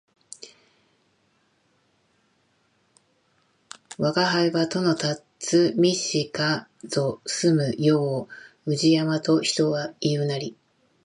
わが庵は都のたつみしかぞ住む世を宇治山と人は言ふなり